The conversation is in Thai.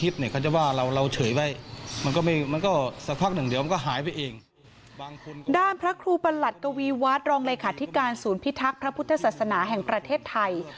ด้านพระครูประหลัดกวีวัฒน์รองเลขาธิการศูนย์พิทักษ์พระพุทธศาสนาแห่งประเทศไทย